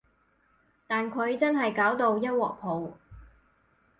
但佢真係搞到一鑊泡